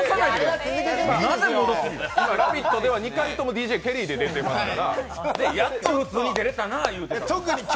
今、「ラヴィット！」では２回ともＤＪＫＥＬＬＹで出てますからやっと普通に出れたなって言うてたんです。